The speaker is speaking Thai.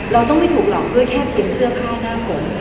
เราต้องไม่ถูกหลอกด้วยแค่เพียงเสื้อผ้าหน้าฝน